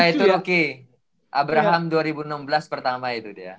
ya itu rookie abraham dua ribu enam belas pertama itu dia